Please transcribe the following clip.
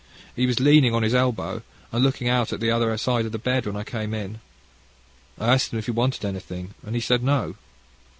He was leaning on his elbow, and looking out at the other side of the bed when I came in. I asked him if he wanted anything, and he said No.